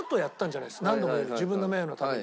何度も言うけど自分の名誉のために。